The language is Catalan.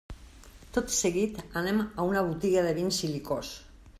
Tot seguit anem a una botiga de vins i licors.